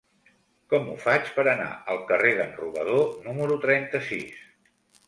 Com ho faig per anar al carrer d'en Robador número trenta-sis?